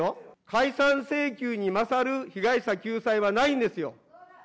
解散請求に勝る被害者救済はないんですよ。